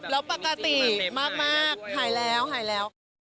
แล้วปกติมากหายแล้ว